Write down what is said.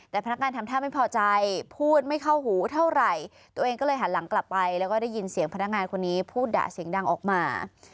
แต่พนักงานทำท่าไม่พอใจพูดไม่เข้าหูเท่าไหร่ตัวเองก็เลยหันหลังกลับไปแล้วก็ได้ยินเสียงพนักงานคนนี้พูดด่าเสียงดังออกมา